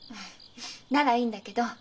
ならいいんだけど。